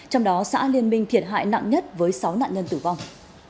trong đó xã liên minh thiệt hại nặng nhất với sáu nạn nhân tử vong